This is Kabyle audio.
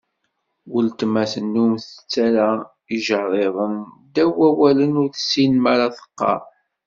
Uletma tennum tettarra ijerriḍen ddaw wawalen ur tessin mara teqqar.